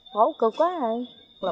khổ cực quá